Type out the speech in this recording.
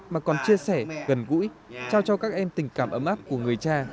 mà còn chia sẻ gần gũi trao cho các em tình cảm ấm áp của người cha